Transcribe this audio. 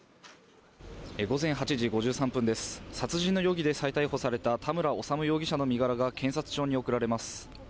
午前８時５３分です、殺人の容疑で再逮捕された田村修容疑者の身柄が検察庁に送られます。